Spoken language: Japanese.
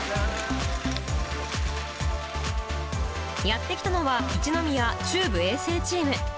やって来たのは、一宮中部衛生チーム。